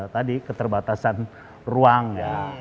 tadi keterbatasan ruang ya